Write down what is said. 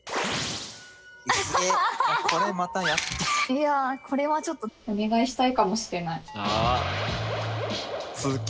いやあこれはちょっとお願いしたいかもしれない。